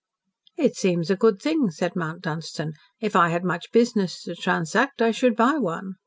"It seems a good thing," said Mount Dunstan. "If I had much business to transact, I should buy one."